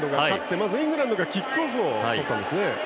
まずイングランドがキックオフをとったんですね。